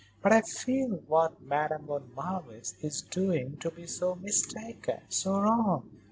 "But I feel what Madame von Marwitz is doing to be so mistaken, so wrong."